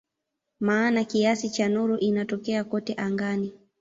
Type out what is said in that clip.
Maana kiasi cha nuru inatokea kote angani.